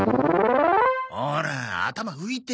ほら頭拭いて。